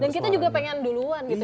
dan kita juga pengen duluan gitu ya